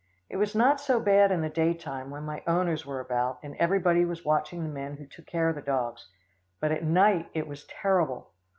It was not so bad in the day time, when my owners were about, and everybody was watching the men who took care of the dogs; but at night it was terrible.